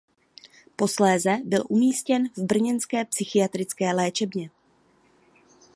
Posléze byl umístěn v brněnské psychiatrické léčebně.